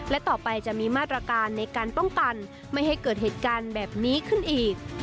และต่อไปจะมีมาตรการในการป้องกันไม่ให้เกิดเหตุการณ์แบบนี้ขึ้นอีก